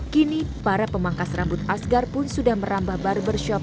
kini para pemangkas rambut asgar pun sudah merambah barbershop